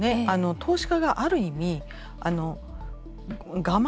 投資家がある意味我慢